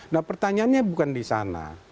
nah pertanyaannya bukan di sana